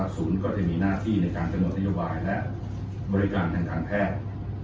ก็จะมีหน้าที่ในการกำหนดนโยบายและบริการทางการแพทย์